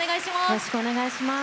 よろしくお願いします。